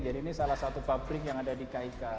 jadi ini salah satu pabrik yang ada di kik